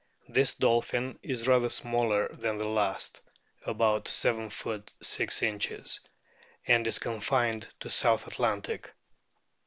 This dolphin is rather smaller than the last (about 7 ft. 6 in.), and is confined to the South Atlantic.